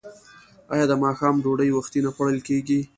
آیا د ماښام ډوډۍ وختي نه خوړل کیږي؟